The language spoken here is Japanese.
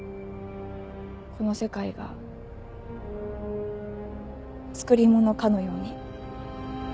この世界が作り物かのように。